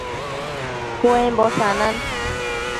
Cuembo sanan